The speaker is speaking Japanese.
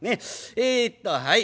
えっとはい。